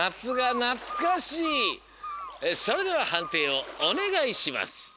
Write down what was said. それでははんていをおねがいします！